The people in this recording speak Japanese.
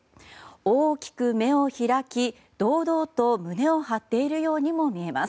大きく目を開き堂々と胸を張っているようにも見えます。